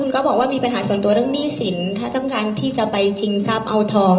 คุณบอกว่ามีปัญหาส่วนตัวในที่สินต้องการไปจริงทราบทอง